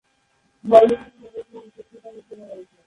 দলে তিনি মূলতঃ উইকেট-কিপার হিসেবে রয়েছেন।